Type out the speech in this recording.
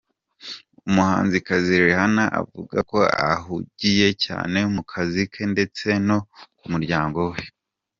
Umuhanzikazi Rihanna avuga ko ahugiye cyane mu kazi ke ndetse no ku muryango we.